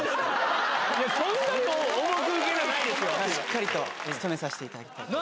しっかりと務めさせていただきます。